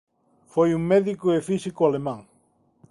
Foi un médico e físico alemán.